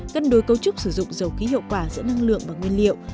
cân đối cấu trúc sử dụng dầu khí hiệu quả giữa năng lượng và nguyên liệu